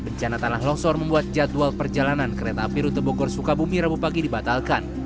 bencana tanah longsor membuat jadwal perjalanan kereta api rute bogor sukabumi rabu pagi dibatalkan